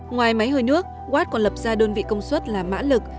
ngoài máy hơi nước watt còn lập ra đơn vị công suất là mã lực